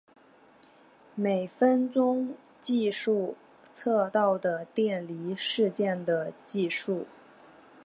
每分钟计数测到的电离事件的计数。